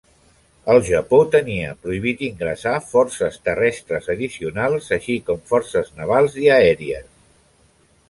El Japó tenia prohibit ingressar forces terrestres addicionals, així com forces navals i aèries.